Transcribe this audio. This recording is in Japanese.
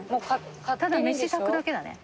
ただ飯炊くだけだね。